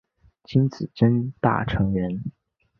金子真大成员。